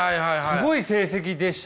すごい成績でしたけどね。